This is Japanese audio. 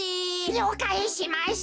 りょうかいしましたっと。